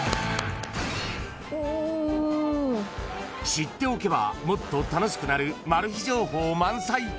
［知っておけばもっと楽しくなるマル秘情報満載］